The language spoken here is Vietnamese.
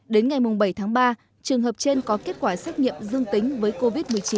đến ngày bảy tháng ba trường hợp trên có kết quả xét nghiệm dương tính với covid một mươi chín